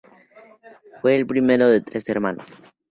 Fue el primero de tres hermanos.